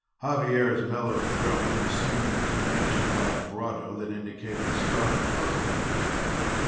Xavier's mellow drone assumed the convention vibrato that indicated stark puzzlement.